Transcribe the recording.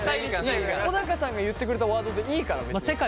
小高さんが言ってくれたワードでいいから別に。